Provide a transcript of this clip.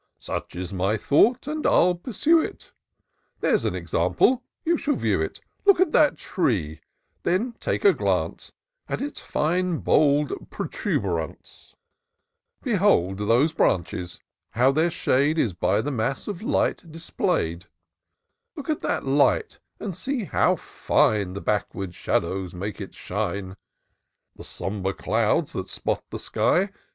Such is my thought, and I'll pursue it ; There's an example — you shall view it. Look at that tree ; then take a glance At its fine, bold protuberance ; Behold those branches — ^how their shade Is by the mass of light display'd : Look at that light, and see how fine The backward shadows make it shine : The sombre clouds that spot the sky.